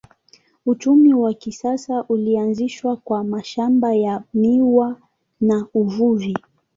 Uchumi wa kisasa ulianzishwa kwa mashamba ya miwa na uvuvi.